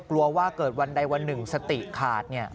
กลัวว่าเกิดวันใดวันหนึ่งสติขาด